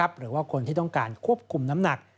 หรือว่าคนที่ต้องการควบคุมน้ำหนัก